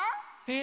え？